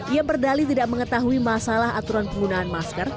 ia berdali tidak mengetahui masalah aturan penggunaan masker